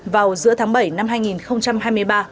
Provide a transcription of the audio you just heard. vào giữa tháng bảy năm hai nghìn hai mươi ba